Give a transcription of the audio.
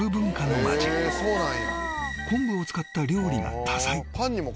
昆布を使った料理が多彩